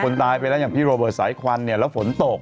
ตายไปแล้วอย่างพี่โรเบิร์ตสายควันเนี่ยแล้วฝนตก